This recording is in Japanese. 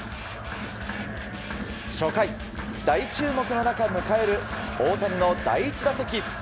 初回、大注目の中迎える大谷の第１打席。